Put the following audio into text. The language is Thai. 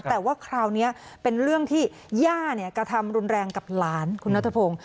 แต่ว่าคราวนี้เป็นเรื่องที่ย่ากระทำรุนแรงกับหลานคุณนัทพงศ์